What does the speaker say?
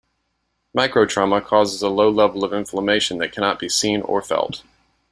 Most microtrauma cause a low level of inflammation that cannot be seen or felt.